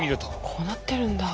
こうなってるんだ。